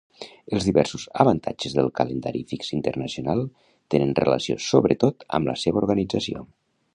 Els diversos avantatges del Calendari Fix Internacional tenen relació sobretot amb la seva organització.